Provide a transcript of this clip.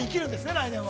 来年は。